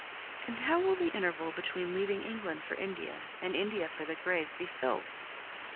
And how will the interval between leaving England for India, and India for the grave, be filled?